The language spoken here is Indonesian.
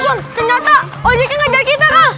senjata senjata ojek ngejar kita bang